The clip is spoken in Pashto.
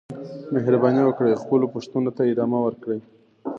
مهرباني وکړئ خپلو پوښتنو ته ادامه ورکړئ.